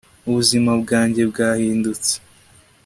ubuzima bwanjye bwahindutse